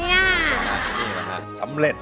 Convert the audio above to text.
พี่ออโต้ร้อย